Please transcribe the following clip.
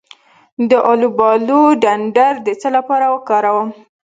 د الوبالو ډنډر د څه لپاره وکاروم؟